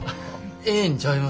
ええんちゃいます？